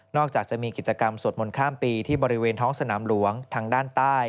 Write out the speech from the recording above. จากจะมีกิจกรรมสวดมนต์ข้ามปีที่บริเวณท้องสนามหลวงทางด้านใต้